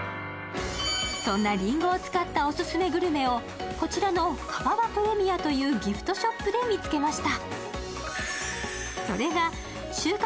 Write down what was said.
そんなりんごを使ったオススメグルメをこちらのかわばプレミアムというギフトショップで見つけました。